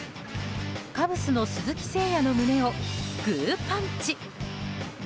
カブスの鈴木誠也の胸をグーパンチ。